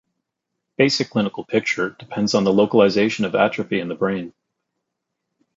Basic clinical picture depends on the localization of atrophy in brain.